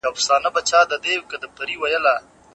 موږ باید په هر ډول سختو حالاتو کې د خدای شکر ادا کړو.